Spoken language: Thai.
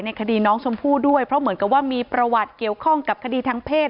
คดีน้องชมพู่ด้วยเพราะเหมือนกับว่ามีประวัติเกี่ยวข้องกับคดีทางเพศ